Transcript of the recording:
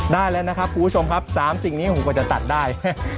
ได้แล้วนะครับคุณผู้ชมครับ๓สิ่งนี้ผมกว่าจะตัดได้